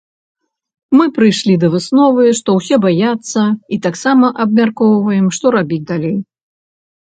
Мы прыйшлі да высновы, што ўсе баяцца і таксама абмяркоўваем, што рабіць далей.